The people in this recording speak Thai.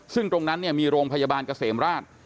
ซึ่งตรงนั้นเนี่ยมีโรงพยาบาลเกษมราช